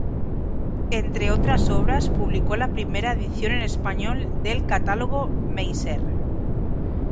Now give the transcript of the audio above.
Entre otras obras, publicó la primera edición en español del Catálogo Messier.